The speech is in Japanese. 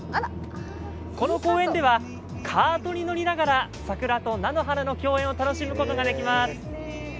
この公園では、カートに乗りながら桜と菜の花の共演を楽しむことができます。